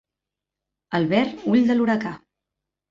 El ver ull de l'huracà.